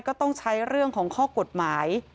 ก็ต้องใช้เรื่องของข้อกฎหมาย